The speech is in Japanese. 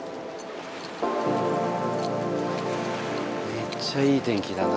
めっちゃいい天気だな。